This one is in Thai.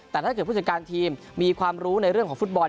แต่ถ้าเกิดผู้จัดการทีมมีความรู้ในเรื่องของฟุตบอล